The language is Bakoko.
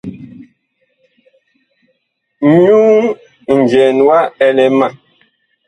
Nyuŋ njɛn wa ɛlɛ ma.